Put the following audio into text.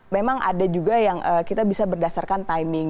memang ada juga yang kita bisa berdasarkan timing